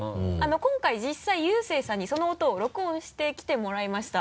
今回実際ゆうせいさんにその音を録音してきてもらいました。